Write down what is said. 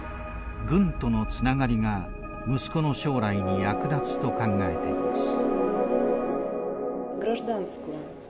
軍とのつながりが息子の将来に役立つと考えています。